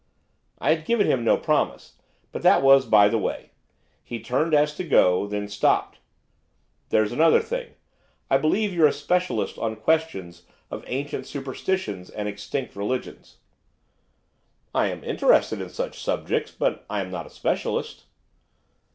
I had given him no promise, but that was by the way. He turned as to go, then stopped. 'There's another thing, I believe you're a specialist on questions of ancient superstitions and extinct religions.' 'I am interested in such subjects, but I am not a specialist.